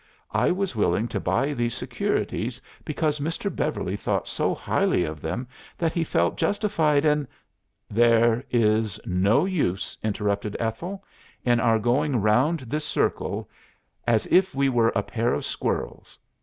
'I was willing to buy these securities because Mr. Beverly thought so highly of them that he felt justified in '" "'There is no use,' interrupted Ethel, 'in our going round this circle as if we were a pair of squirrels.